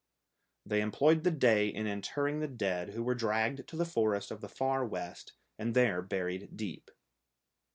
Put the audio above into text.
They employed the day in interring the dead, who were dragged to the forest of the Far West, and there buried deep.